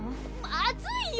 まずいよ！